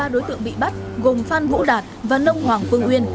ba đối tượng bị bắt gồm phan vũ đạt và nông hoàng phương uyên